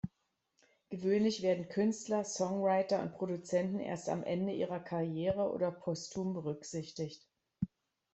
Gewöhnlich werden Künstler, Songwriter und Produzenten erst am Ende ihrer Karriere oder postum berücksichtigt.